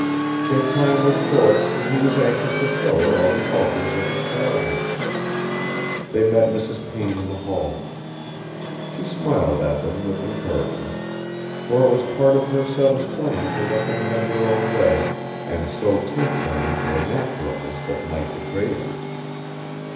Their time was short and he was anxious to show her all the altars of his childhood. They met Mrs. Payne in the hall. She smiled at them with encouragement, for it was part of her settled plan to let them have their own way and so tempt them into a naturalness that might betray them.